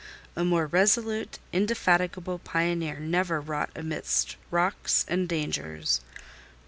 A more resolute, indefatigable pioneer never wrought amidst rocks and dangers.